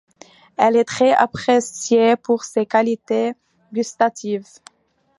Elle est très appréciée pour ses qualités gustatives.